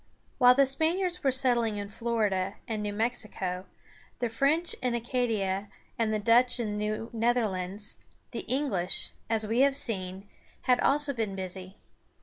While the Spaniards were settling in Florida and New Mexico, the French in Acadia, and the Dutch in the New Netherlands, the English, as we have seen, had also been busy.